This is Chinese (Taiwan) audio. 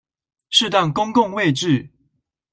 適當公共位置